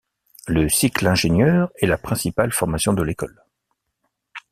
Le cycle ingénieur est la principale formation de l'école.